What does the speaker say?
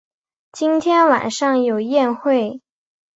今天晚上有宴会